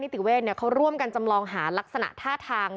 ติเวศเขาร่วมกันจำลองหารักษณะท่าทาง